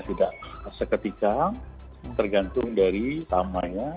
tidak seketika tergantung dari tamanya